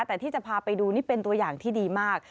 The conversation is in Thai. แต่ที่จะพาไปดูนี่เป็นตัวอย่างที่ดีมาก